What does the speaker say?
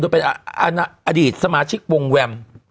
เป็นอดีตสมาชิกวงแวม